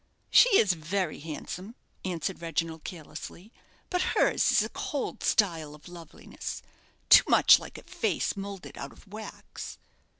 "She is very handsome," answered Reginald, carelessly; "but hers is a cold style of loveliness too much like a face moulded out of wax."